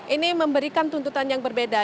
ini memberikan tuntutan yang berbeda